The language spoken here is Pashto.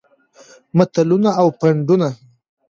متلونه او پندونه